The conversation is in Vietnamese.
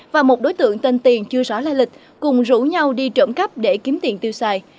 và một đối tượng tên tiền chưa rõ lai lịch cùng rủ nhau đi trộm cắp để kiếm tiền tiêu xài